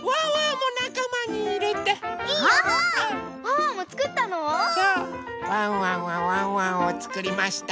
ワンワンはワンワンをつくりました。